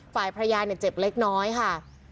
ฝ่ายภรรยาเนี่ยเจ็บเล็กน้อยค่ะ